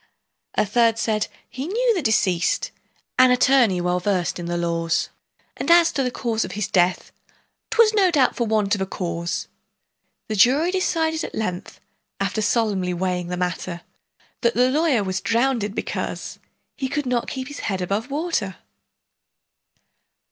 A third said, "He knew the deceased, An attorney well versed in the laws, And as to the cause of his death, 'Twas no doubt for the want of a cause." The jury decided at length, After solemnly weighing the matter, That the lawyer was drownded, because He could not keep his head above water!